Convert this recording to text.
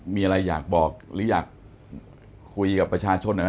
มีอะไรอยากบอกหรืออยากคุยกับประชาชนหน่อยไหม